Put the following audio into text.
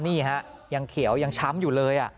นี่ฮะยังเขียวยังช้ำอยู่เลย